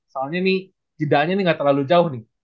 soalnya ini jedaanya ini gak terlalu jauh nih